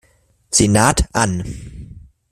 Senat an.